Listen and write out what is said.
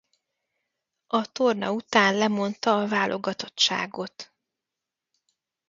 A torna után lemondta a válogatottságot.